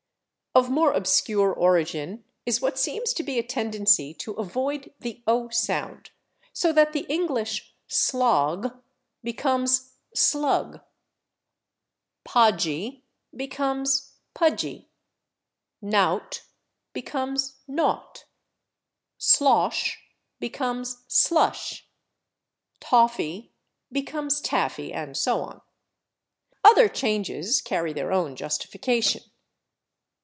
Of more obscure origin is what seems to be a tendency to avoid the /o/ sound, so that the English /slog/ becomes /slug/, /podgy/ becomes /pudgy/, /nought/ becomes /naught/, /slosh/ becomes /slush/, /toffy/ becomes /taffy/, and so on. Other changes carry their own justification.